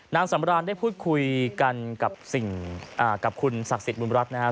นางสำรานได้พูดคุยกันกับสิ่งกับคุณศักดิ์สิทธิบุญรัฐนะครับ